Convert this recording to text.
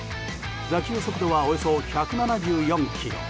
打球速度は、およそ１７４キロ。